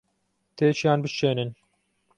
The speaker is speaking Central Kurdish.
تێکیان بشکێنن.